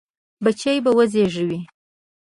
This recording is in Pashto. بچي به وزېږوي.